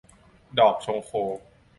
ดอกชงโค